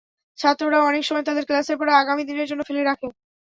ছাত্ররাও অনেক সময় তাদের ক্লাসের পড়া আগামী দিনের জন্য ফেলে রাখে।